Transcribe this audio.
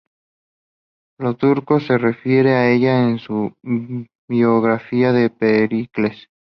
Plutarco se refiere a ella en su biografía de Pericles.